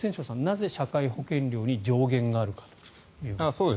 なぜ社会保険料に上限があるかということです。